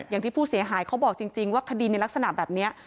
อย่างที่ผู้เสียหายเขาบอกจริงว่าคดีในลักษณะแบบนี้